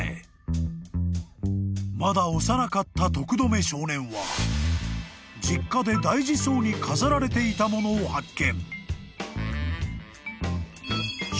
［まだ幼かった徳留少年は実家で大事そうに飾られていたものを発見］